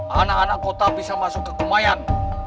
anak anak kota bisa masuk ke kemayan